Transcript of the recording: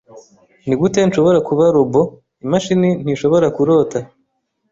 Nigute nshobora kuba robot? Imashini ntishobora kurota.